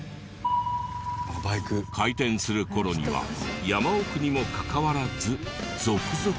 開店する頃には山奥にもかかわらず続々と人が。